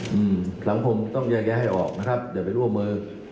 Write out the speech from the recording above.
หลังผมจะต้องแยกให้ออกนะครับอย่าไปลั่วมือ